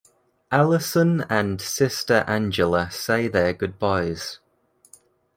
Allison and Sister Angela say their goodbyes.